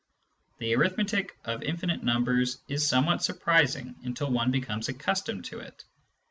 The arithmetic of infinite numbers is somewhat surprising until one becomes accustomed to it.